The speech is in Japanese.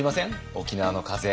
沖縄の風。